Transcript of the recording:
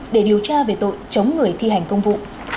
để điều tra về tội chống người thi hành công vụ